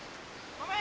・・ごめん！